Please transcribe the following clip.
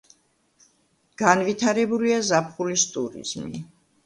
განვითარებულია ზაფხულის ტურიზმი.